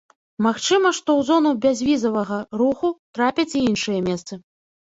Магчыма, што ў зону бязвізавага руху трапяць і іншыя месцы.